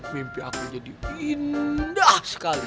mimpi aku jadi indah sekali